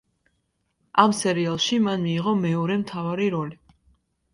ამ სერიალში მან მიიღო მეორე მთავარი როლი.